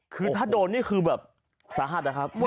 คือถ้าโดนนี่คือแบบสาหัสนะครับ